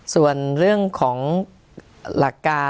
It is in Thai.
ส่วนเรื่องของหลักการ